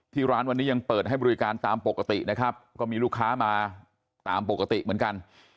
ร้านวันนี้ยังเปิดให้บริการตามปกตินะครับก็มีลูกค้ามาตามปกติเหมือนกัน